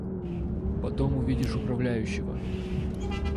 Потом увидишь управляющего.